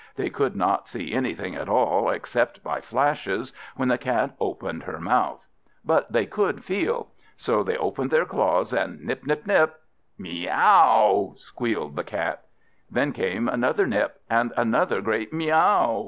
They could not see anything at all, except by flashes, when the Cat opened her mouth, but they could feel. So they opened their claws, and nip! nip! nip! "Miaw!" squealed the Cat. Then came another nip, and another great Miaw!